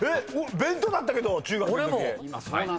弁当だったけど中学のとき。